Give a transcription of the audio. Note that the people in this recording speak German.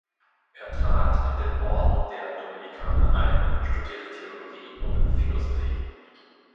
Er trat in den Orden der Dominikaner ein, studierte Theologie und Philosophie.